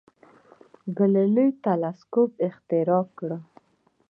ګالیله تلسکوپ اختراع کړ.